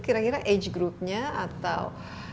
kira kira age groupnya atau